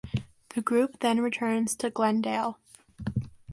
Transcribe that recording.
The group then returns to Glendale.